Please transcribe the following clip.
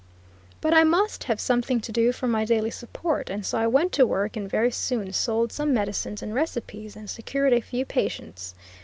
But I must have something to do for my daily support, and so I went to work and very soon sold some medicines and recipes, and secured a few patients.